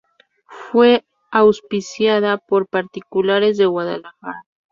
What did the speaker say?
Fue auspiciada por particulares de Guadalajara.